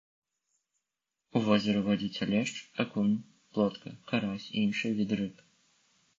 У возеры водзяцца лешч, акунь, плотка, карась і іншыя віды рыб.